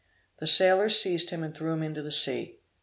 The sailors seized him and threw him into the sea.